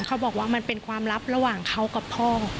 เขาบอกว่ามันเป็นความลับระหว่างเขากับพ่อ